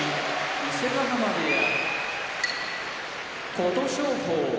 伊勢ヶ濱部屋琴勝峰